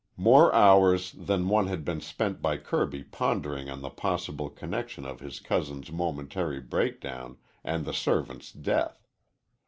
More hours than one had been spent by Kirby pondering on the possible connection of his cousin's momentary breakdown and the servant's death.